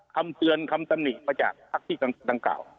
คำเตือนคำตำหนิมาจากภักดิ์ที่ตั้งเก่า